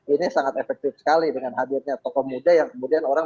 ini sangat efektif sekali dengan hadirnya tokoh muda yang kemudian orang